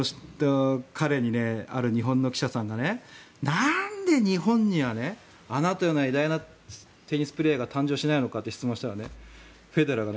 彼に、ある日本の記者さんがなんで日本にはあなたのような偉大なテニスプレーヤーが誕生しないのかと言ったらフェデラーがね